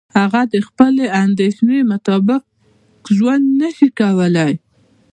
هغه د خپلې اندیشې مطابق ژوند نشي کولای.